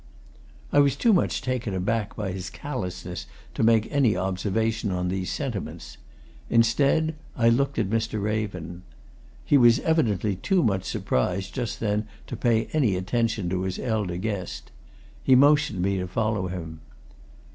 I was too much taken aback by his callousness to make any observation on these sentiments; instead, I looked at Mr. Raven. He was evidently too much surprised just then to pay any attention to his elder guest: he motioned me to follow him.